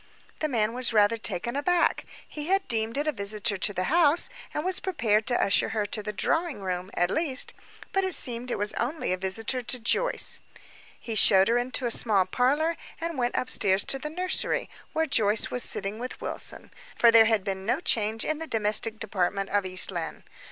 The man was rather taken aback. He had deemed it a visitor to the house, and was prepared to usher her to the drawing room, at least; but it seemed it was only a visitor to Joyce. He showed her into a small parlor, and went upstairs to the nursery, where Joyce was sitting with Wilson for there had been no change in the domestic department of East Lynne.